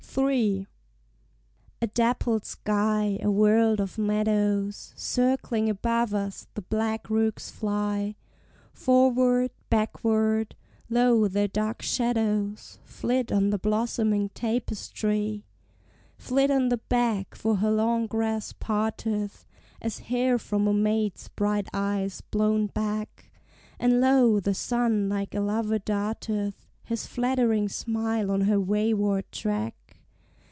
III. A dappled sky, a world of meadows; Circling above us the black rooks fly, 'Forward, backward: lo, their dark shadows Flit on the blossoming tapestry Flit on the beck for her long grass parteth, As hair from a maid's bright eyes blown back; And lo, the sun like a lover darteth His flattering smile on her wayward track.